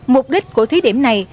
mục đích của thí điểm này